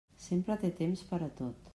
Sempre té temps per a tot.